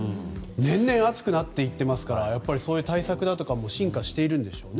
年々暑くなっていますからそういう対策なども進化しているんでしょうね。